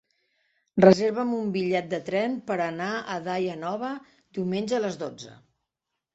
Reserva'm un bitllet de tren per anar a Daia Nova diumenge a les dotze.